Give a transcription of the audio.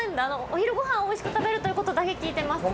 お昼ご飯をおいしく食べるということだけ聞いてます。